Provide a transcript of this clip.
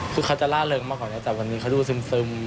คือเขาจะล่าเริงมากกว่านี้แต่วันนี้เขาดูซึม